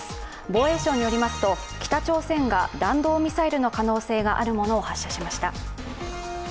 防衛省によりますと、北朝鮮が弾道ミサイルの可能性があるものを発射しました。